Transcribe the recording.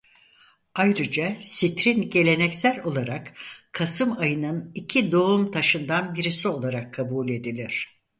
Ayrıca sitrin geleneksel olarak Kasım ayının iki doğum taşından birisi olarak kabul edilir.